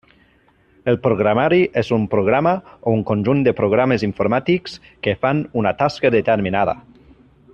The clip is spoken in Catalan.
El programari és un programa o un conjunt de programes informàtics que fan una tasca determinada.